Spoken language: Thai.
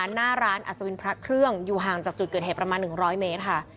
หน้าร้านอัศวินพระเครื่องอยู่ห่างจากจุดเกิดเหตุประมาณ๑๐๐เมตรค่ะ